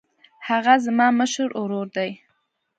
هغه زما مشر ورور دی